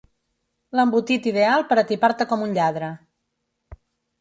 L'embotit ideal per atipar-te com un lladre.